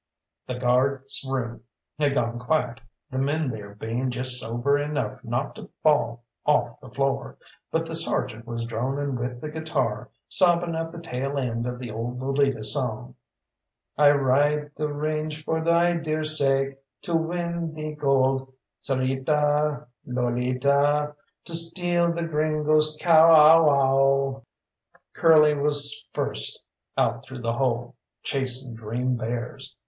The guardroom had gone quiet, the men there being just sober enough not to fall off the floor, but the sergeant was droning with the guitar, sobbing out the tail end of the old Lolita song "I ride the range for thy dear sake, To win thee gold, S'rita, Lolita, To steal the gringo's cow ow ow " Curly was first out through the hole, chasing dream bears.